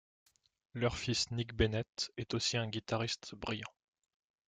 Leur fils Nick Bennett est aussi un guitariste brillant.